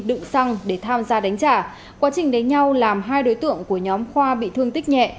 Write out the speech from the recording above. đựng xăng để tham gia đánh trả quá trình đánh nhau làm hai đối tượng của nhóm khoa bị thương tích nhẹ